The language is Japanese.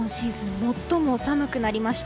最も寒くなりました。